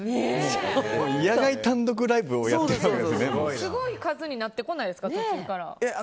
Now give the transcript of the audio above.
野外単独ライブをすごい数になってこないですか途中から。